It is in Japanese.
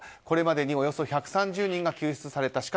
これまでにおよそ１３０人が救出された。